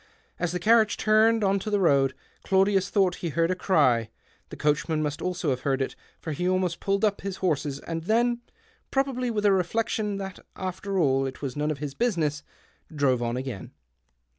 As the carriage turned on to the road, Claudius thought he heard a cry ; the coachman must also have heard it, for he almost pulled up his horses, and then — probably with a reflection that, after all, it was none of his business — drove on again.